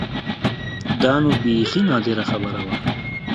دا نو بيخي نادره خبره وه.